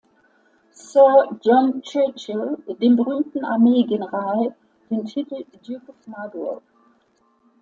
Sir John Churchill, dem berühmten Armeegeneral, den Titel Duke of Marlborough.